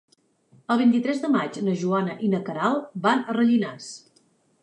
El vint-i-tres de maig na Joana i na Queralt van a Rellinars.